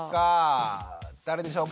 誰でしょうか？